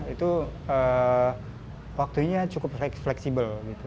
itu waktunya cukup fleksibel gitu